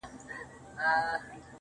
دا اوبه اورونو کي راونغاړه~